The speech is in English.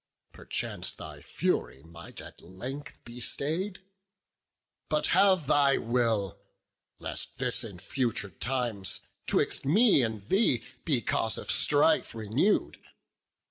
Perchance thy fury might at length be stayed. But have thy will, lest this in future times 'Twixt me and thee be cause of strife renew'd.